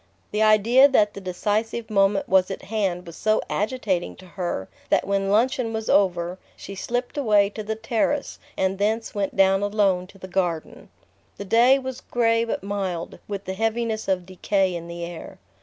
The idea that the decisive moment was at hand was so agitating to her that when luncheon was over she slipped away to the terrace and thence went down alone to the garden. The day was grey but mild, with the heaviness of decay in the air.